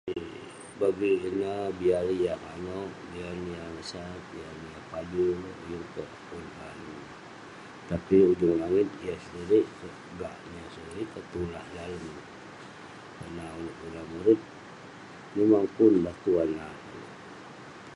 [unintelligible] biar neh yah manoukx biar neh yah ngesat, [unintelligible] tapik ujung langit, yah sedirik kek gak, yah sedirik kek tulah. Kerana ulouk kelunan murip, memang pun lah Tuan nat ulouk.